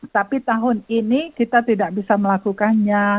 tapi tahun ini kita tidak bisa melakukannya